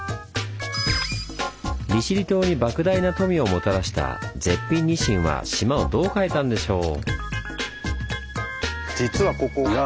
利尻島にばく大な富をもたらした絶品ニシンは島をどう変えたんでしょう？